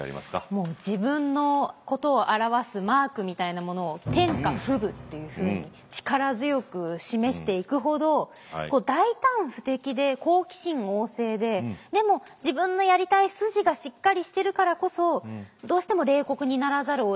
もう自分のことを表すマークみたいなものを天下布武というふうに力強く示していくほど大胆不敵で好奇心旺盛ででも自分のやりたい筋がしっかりしてるからこそどうしても冷酷にならざるをえない。